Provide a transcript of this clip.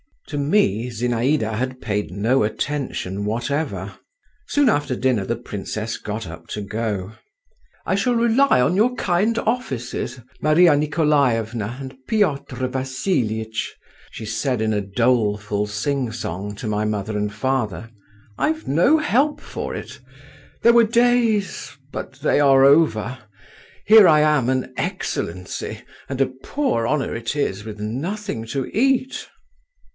To me Zinaïda had paid no attention whatever. Soon after dinner the princess got up to go. "I shall rely on your kind offices, Maria Nikolaevna and Piotr Vassilitch," she said in a doleful sing song to my mother and father. "I've no help for it! There were days, but they are over. Here I am, an excellency, and a poor honour it is with nothing to eat!"